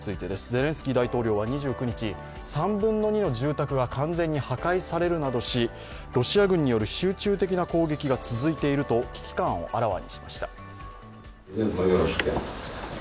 ゼレンスキー大統領は２９日、３分の２の住宅が完全に破壊されるなどし、ロシア軍による集中的な攻撃が続いていると危機感をあらわにしました。